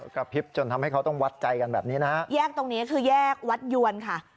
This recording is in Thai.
กระพริบจนทำให้เขาต้องวัดใจกันแบบนี้นะฮะแยกตรงนี้คือแยกวัดยวนค่ะ